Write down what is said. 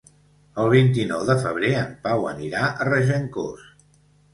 El vint-i-nou de febrer en Pau anirà a Regencós.